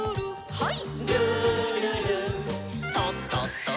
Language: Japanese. はい。